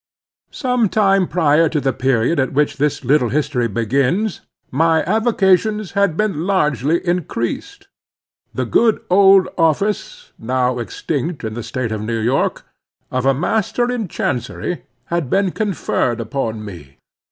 Some time prior to the period at which this little history begins, my avocations had been largely increased. The good old office, now extinct in the State of New York, of a Master in Chancery, had been conferred upon me.